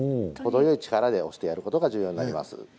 程よい力で押してやることが重要になります。